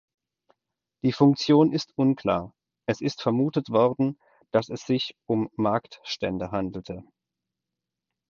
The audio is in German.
Die Funktion ist unklar, es ist vermutet worden, dass es sich um Marktstände handelte.